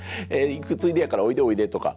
「行くついでやからおいでおいで」とか。